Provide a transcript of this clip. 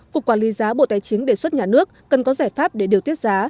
cục quản lý giá bộ tài chính đề xuất nhà nước cần có giải pháp để điều tiết giá